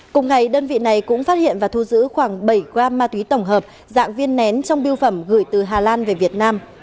cùng ngày đơn vị này cũng phát hiện và thu giữ khoảng bảy gram ma túy tổng hợp dạng viên nén trong biêu phẩm gửi từ hà lan về việt nam